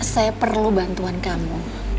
saya perlu bantuan kamu